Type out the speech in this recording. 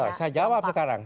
tidak saya jawab sekarang